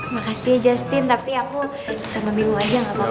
makasih ya justin tapi aku sama biru aja gak apa apa